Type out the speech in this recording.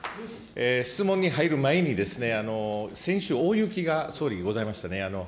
質問に入る前に、先週、大雪が総理、ございましたね。